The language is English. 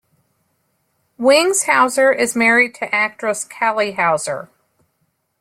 Wings Hauser is married to actress Cali Hauser.